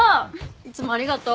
いつもありがとう。